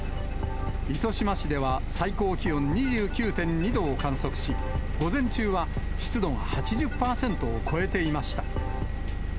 糸島市では、最高気温２９．２度を観測し、午前中は湿度が８０％を超えていました。